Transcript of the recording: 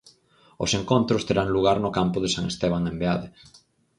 Os encontros terán lugar no campo de San Esteban en Beade.